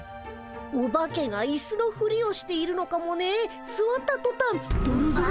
オバケがイスのふりをしているのかもねえすわったとたんドロドロドロ。